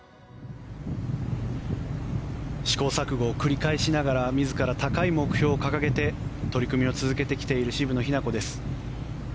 試行錯誤を繰り返しながら自ら高い目標を掲げて取り組みを続けてきている渋野日向子です。